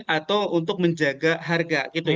atau untuk menjaga harga gitu ya